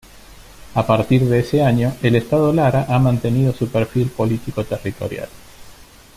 A partir de ese año, el Estado Lara ha mantenido su perfil político-territorial.